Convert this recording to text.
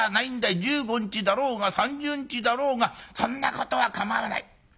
１５日だろうが３０日だろうがそんなことは構わない』。